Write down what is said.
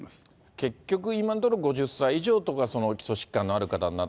結局、今のところ５０歳以上とか、基礎疾患のある方になる。